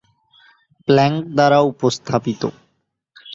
Planck দ্বারা উপস্থাপিত।